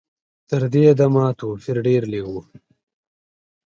تر دې دمه توپیر ډېر لږ و.